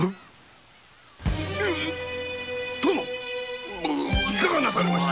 殿⁉いかがなされました。